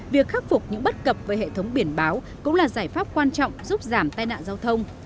việc khắc phục những bất cập về hệ thống biển báo cũng là giải pháp quan trọng giúp giảm tai nạn giao thông